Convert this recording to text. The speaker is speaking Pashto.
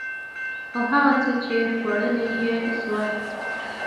او هغه څه چې خوړلي يې شول